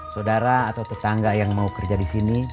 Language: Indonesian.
saudara atau tetangga yang mau kerja disini